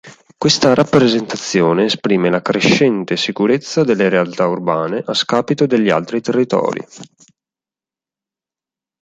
Questa rappresentazione esprime la crescente sicurezza delle realtà urbane a scapito degli altri territori.